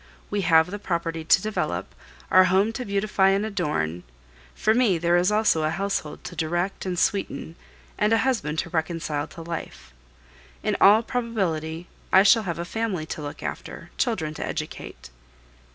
We have the property to develop, our home to beautify and adorn; for me there is also a household to direct and sweeten and a husband to reconcile to life. In all probability I shall have a family to look after, children to educate.